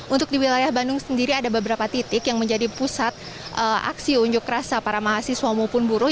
untuk di wilayah bandung sendiri ada beberapa titik yang menjadi pusat aksi unjuk rasa para mahasiswa maupun buruh